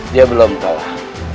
dia belum kalah